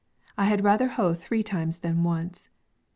I had rather hoe three times than once.